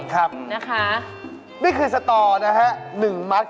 ก็ละคนที่เล่นสตอร์นี้ไร้อย่างไม่ได้